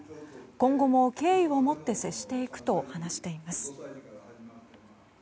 今後も敬意を持って接していくと話しています。